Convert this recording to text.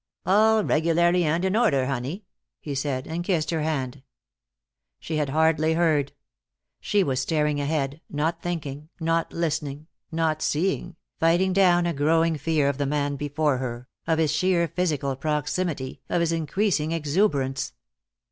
"All regularly and in order, honey," he said, and kissed her hand. She had hardly heard. She was staring ahead, not thinking, not listening, not seeing, fighting down a growing fear of the man before her, of his sheer physical proximity, of his increasing exuberance.